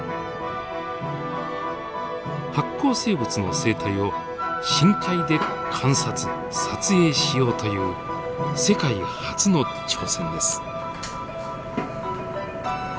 発光生物の生態を深海で観察撮影しようという世界初の挑戦です。